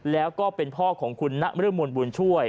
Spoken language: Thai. แล้วก็เป็นพ่อของคุณนรมนต์บุญช่วย